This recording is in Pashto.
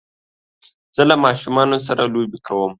زه له ماشومانو سره لوبی کوم